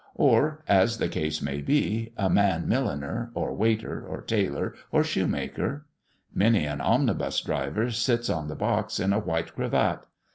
Or, as the case may be, a man milliner, or waiter, or tailor, or shoe maker. Many an omnibus driver sits on the box in a white cravat.